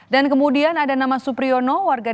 dan kemudian ada nama supriyono warga